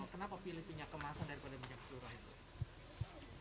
kenapa pilih minyak kemasan daripada minyak curah itu